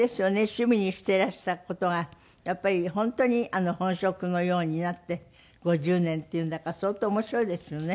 趣味にしていらした事がやっぱり本当に本職のようになって５０年っていうんだから相当面白いですよね。